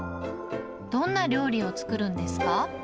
どんな料理を作るんですか。